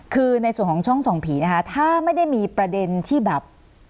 คือในส่วนของช่องส่องผีนะคะถ้าไม่ได้มีประเด็นที่แบบ